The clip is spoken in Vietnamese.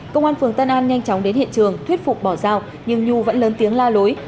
công an phường tân an nhanh chóng đến hiện trường thuyết phục bỏ dao nhưng nhu vẫn lớn tiếng la lối